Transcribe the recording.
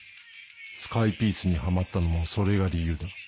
スカイピースにハマったのもそれが理由だ